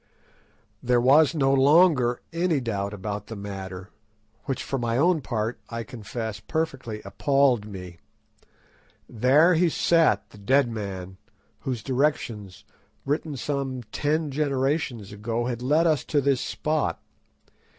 There was no longer any doubt about the matter, which for my own part I confess perfectly appalled me. There he sat, the dead man, whose directions, written some ten generations ago, had led us to this spot.